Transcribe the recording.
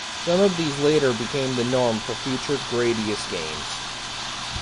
Some of these later became the norm for future "Gradius" games.